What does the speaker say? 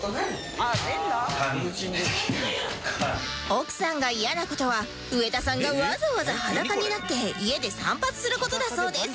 奥さんが嫌な事は上田さんがわざわざ裸になって家で散髪する事だそうです